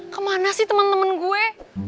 kemana sih temen temen gue